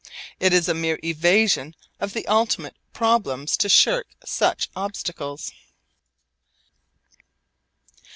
It is a mere evasion of the ultimate problems to shirk such obstacles.